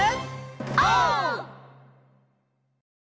オー！